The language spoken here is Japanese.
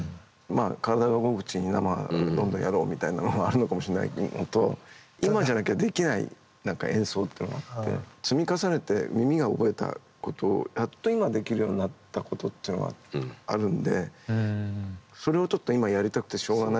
体が動くうちに生どんどんやろうみたいなのがあるのかもしれないのと今じゃなきゃできない演奏っていうのがあって積み重ねて耳が覚えたことをやっと今できるようになったことっていうのがあるんでそれをちょっと今やりたくてしょうがないよな。